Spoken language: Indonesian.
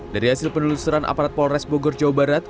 dari hasil penelusuran aparat polres bogor jawa barat